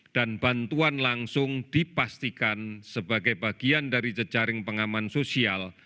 dan bantuan langsung dipastikan sebagai bagian dari jejaring pengaman sosial